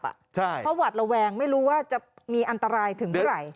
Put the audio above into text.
เพราะหวัดระแวงไม่รู้ว่าจะมีอันตรายถึงเมื่อไหร่